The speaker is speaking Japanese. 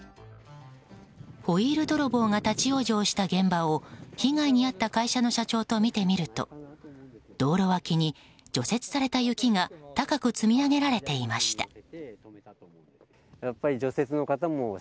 ホイール泥棒が立ち往生した現場を被害に遭った会社の社長と見てみると道路脇に除雪された雪が高く積み上げられていました。